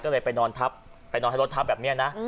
ก็เลยไปนอนทับไปนอนให้รถทับแบบนี้นะ